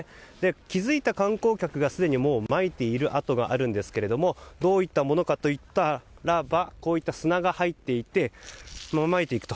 気づいた観光客が、すでにまいている跡があるんですがどういったものかといったらばこういった砂が入っていてまいていくと。